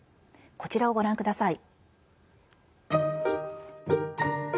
こちらをご覧ください。